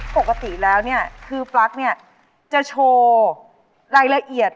ปกติแล้วเนี่ยคือปลั๊กเนี่ยจะโชว์รายละเอียด